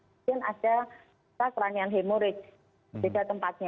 mungkin ada intrakranial hemorrhage beda tempatnya